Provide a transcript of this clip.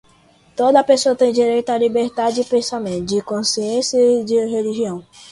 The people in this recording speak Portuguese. Toda a pessoa tem direito à liberdade de pensamento, de consciência e de religião;